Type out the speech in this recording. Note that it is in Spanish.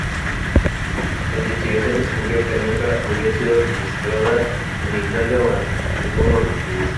La investigación descubrió que nunca había sido registrada en Italia o algún otro país.